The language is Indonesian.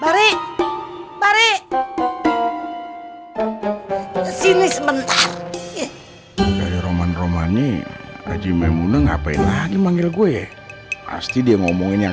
bari bari sini sebentar romani aji memuneng ngapain lagi manggil gue pasti dia ngomongin yang